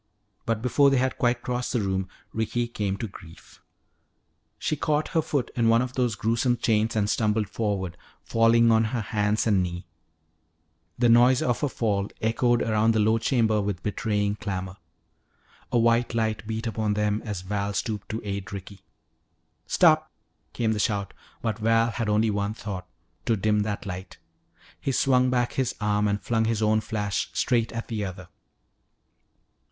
But before they had quite crossed the room Ricky came to grief. She caught her foot in one of those gruesome chains and stumbled forward, falling on her hands and knee. The noise of her fall echoed around the low chamber with betraying clamor. A white light beat upon them as Val stooped to aid Ricky. "Stop!" came the shout, but Val had only one thought, to dim that light. He swung back his arm and flung his own flash straight at the other.